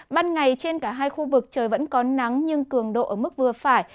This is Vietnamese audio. ban ngày trên cả hai khu vực trời vẫn có nắng nhưng cường độ ở mức vừa phải